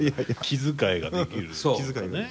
気遣いができるとかね。